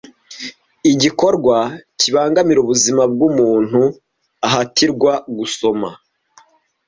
Igikorwa kibangamira ubuzima. Umuntu ahatirwa gusoma